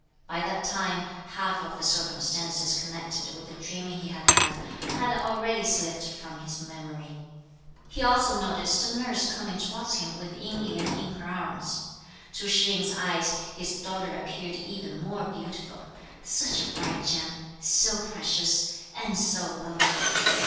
By that time, half of the circumstances connected with the dream he had had, had already slipped from his memory. He also noticed a nurse coming towards him with Ying Lien in her arms. To Shih yin's eyes his daughter appeared even more beautiful, such a bright gem, so precious, and so lovable.